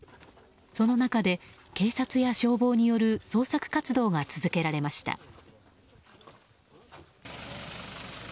その中で警察や消防による捜索活動が続けられました。